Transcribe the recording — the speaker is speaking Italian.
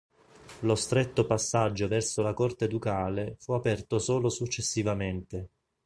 Lo stretto passaggio verso la corte ducale fu aperto solo successivamente.